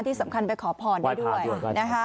ที่สำคัญไปขอพรได้ด้วยนะคะ